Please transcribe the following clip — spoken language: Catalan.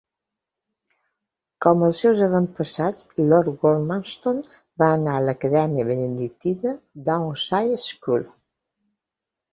Com els seus avantpassats, lord Gormanston va anar a l'acadèmia benedictina Downside School.